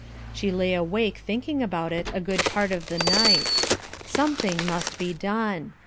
She lay awake thinking about it a good part of the night. Something must be done.